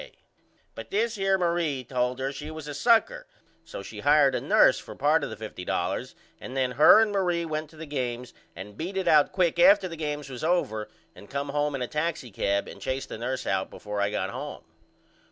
K. But this here Marie told her she was a sucker so she hired a nurse for part of the $50.00 and then her and Marie went to the games and beat it out quick after the games was over and come home in a taxicab and chased the nurse out before I got home.